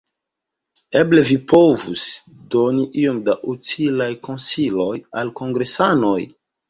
Eble vi povus doni iom da utilaj konsiloj al la kongresanoj?